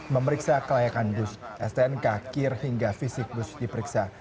memeriksa kelayakan bus stnk kir hingga fisik bus diperiksa